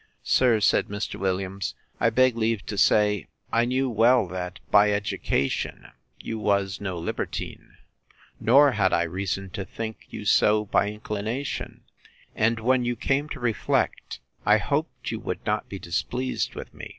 Sir, said Mr. Williams, I beg leave to say, I knew well, that, by education, you was no libertine; nor had I reason to think you so by inclination; and, when you came to reflect, I hoped you would not be displeased with me.